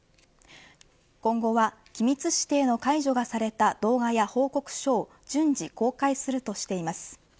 今後は機密指定の解除がされた動画や報告書を順次公開するとしています。